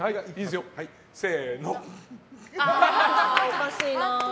おかしいな。